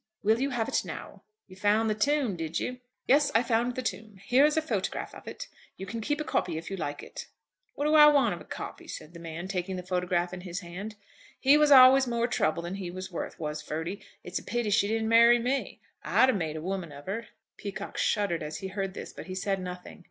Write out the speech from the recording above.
Will you have it now?" "You found the tomb, did you?" "Yes; I found the tomb. Here is a photograph of it. You can keep a copy if you like it." "What do I want of a copy," said the man, taking the photograph in his hand. "He was always more trouble than he was worth, was Ferdy. It's a pity she didn't marry me. I'd 've made a woman of her." Peacocke shuddered as he heard this, but he said nothing.